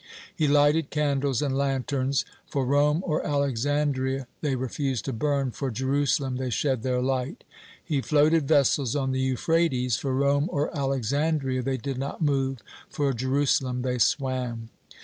He lighted candles and lanterns; for Rome or Alexandria they refused to burn, for Jerusalem they shed their light. He floated vessels on the Euphrates; for Rome or Alexandria they did not move, for Jerusalem they swam.